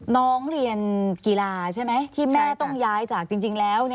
น้องเรียนกีฬาใช่ไหมที่แม่ต้องย้ายจากจริงแล้ว